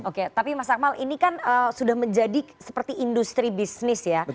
oke tapi mas akmal ini kan sudah menjadi seperti industri bisnis ya